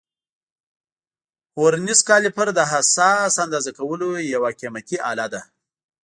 ورنیز کالیپر د حساس اندازه کولو یو قیمتي آله ده.